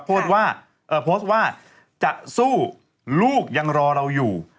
โพสต์ว่าจะสู้ลูกยังรอเราอยู่